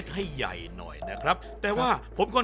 ซุปไก่เมื่อผ่านการต้มก็จะเข้มขึ้น